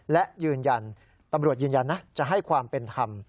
และยืนยันตำรวจยืนยันนะจะให้ความเป็นธรรม